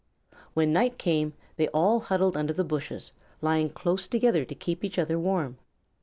When night came they all huddled under the bushes, lying close together to keep each other warm.